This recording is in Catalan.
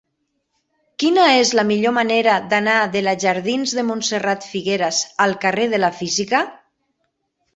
Quina és la millor manera d'anar de la jardins de Montserrat Figueras al carrer de la Física?